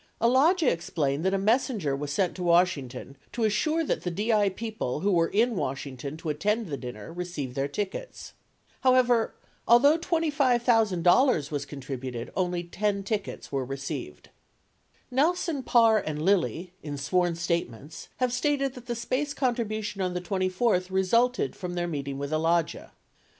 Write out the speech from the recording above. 68 Alagia explained that a messenger was sent to Washington to assure that the DI people who were in Washington to attend the dinner received their tickets. 60 However, although $25,000 was contributed, only 10 tickets were received. 70 Kelson, Parr, and Lilly, in sworn statements, have stated that the SPACE contribution on the 24th resulted from their meeting with Alagia.